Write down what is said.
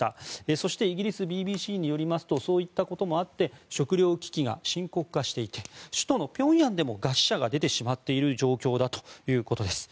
そしてイギリスＢＢＣによりますとそういったこともあって食料危機が深刻化していて首都のピョンヤンでも餓死者が出てしまっている状況だということです。